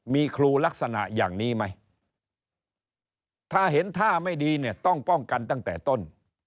มีครูลักษณะอย่างนี้ไหมถ้าเห็นท่าไม่ดีเนี่ยต้องป้องกันตั้งแต่ต้น